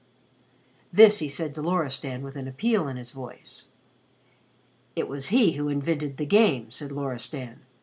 This he said to Loristan with appeal in his voice. "It was he who invented 'the game,'" said Loristan.